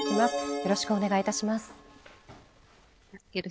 よろしくお願いします。